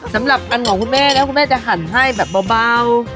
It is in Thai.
สำหรับอันของคุณแม่นะคุณแม่จะหั่นให้แบบเบา